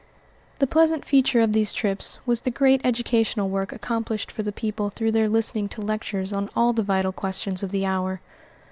The pleasant feature of these trips was the great educational work accomplished for the people through their listening to lectures on all the vital questions of the hour.